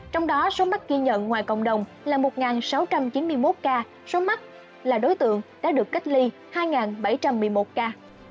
trong đó số mắc ghi nhận ngoài cộng đồng là một sáu trăm chín mươi một ca số mắc là đối tượng đã được cách ly hai bảy trăm một mươi một ca